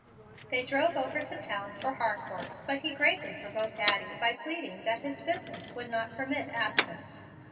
They drove over to town for Harcourt, but he greatly provoked Addie by pleading that his business would not permit absence.